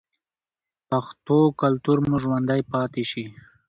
پښتو کلتور مو ژوندی پاتې شي.